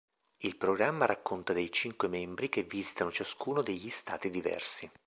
Il programma racconta dei cinque membri che visitano ciascuno degli Stati diversi.